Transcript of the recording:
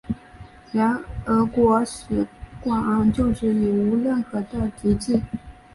原俄国使馆旧址已无任何遗迹。